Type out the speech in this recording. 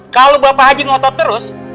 kalau bapak haji ngotot terus